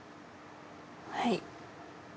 はい。